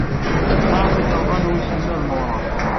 Tesɛa takṛḍa n wesmad n Uṛeɣ.